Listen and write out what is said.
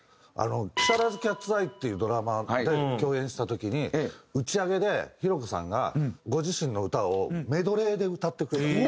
『木更津キャッツアイ』っていうドラマで共演した時に打ち上げでひろ子さんがご自身の歌をメドレーで歌ってくれた。